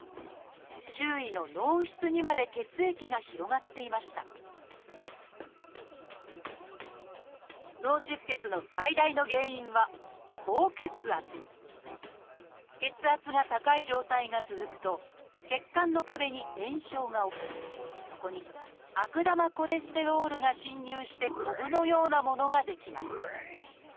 周囲の「脳室」にまで血液が広がっていました脳出血の最大の原因は血圧が高い状態が続くと血管の壁に炎症が起きそこに悪玉コレステロールが侵入してこぶのようなものが出来ます。